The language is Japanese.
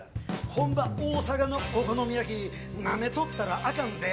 本場大阪のお好み焼きナメとったらあかんで！